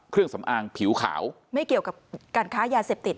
เครื่องสำอางผิวขาวไม่เกี่ยวกับการค้ายาเสพติด